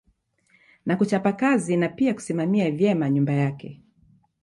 Na kuchapa kazi na pia kusimamia vyema nyumba yake